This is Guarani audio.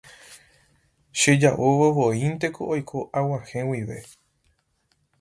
cheja'ovovoínteko oiko ag̃uahẽ guive.